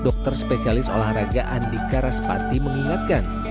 dokter spesialis olahraga andika raspati mengingatkan